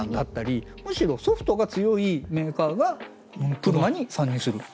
むしろソフトが強いメーカーが車に参入する。